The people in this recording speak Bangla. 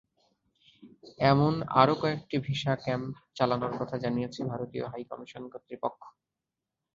এমন আরও কয়েকটি ভিসা ক্যাম্প চালানোর কথা জানিয়েছে ভারতীয় হাইকমিশন কর্তৃপক্ষ।